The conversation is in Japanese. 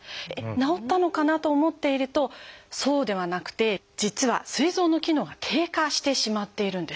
治ったのかなと思っているとそうではなくて実はすい臓の機能が低下してしまっているんです。